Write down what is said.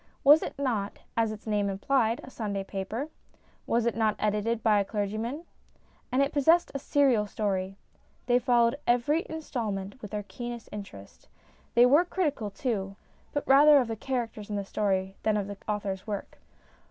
Was it not, as its name implied, a Sunday paper ? Was it not edited by a clergyman ? And it possessed a serial story. They followed every instalment MINIATURES 263 with the keenest interest. They were critical, too, but rather of the characters in the story than of the author's work.